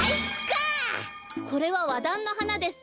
これはワダンのはなです。